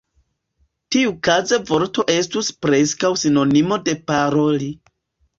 Tiukaze "vorto" estus preskaŭ sinonimo de "paroli".